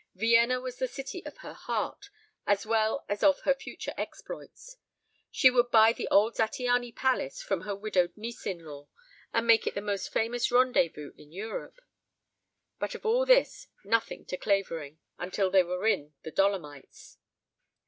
Vienna was the city of her heart as well as of her future exploits. She would buy the old Zattiany palace from her widowed niece in law and make it the most famous rendezvous in Europe. But of all this nothing to Clavering until they were in the Dolomites.